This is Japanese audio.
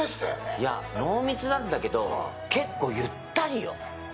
いや、濃密なんだけど、結構ゆったりよ。